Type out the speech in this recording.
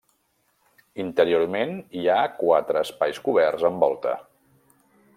Interiorment hi ha quatre espais coberts amb volta.